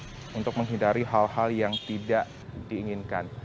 sekolah keluarga susunan dan ngapul semua suatu hal yang ditutupi pengingin